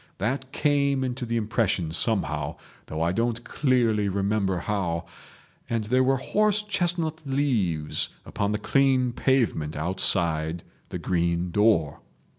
That came into the impression somehow, though I don't clearly remember how, and there were horse chestnut leaves upon the clean pavement outside the green door.